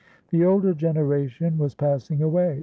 The older generation was passing away.